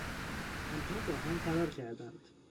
آنها باهم فرار کردند.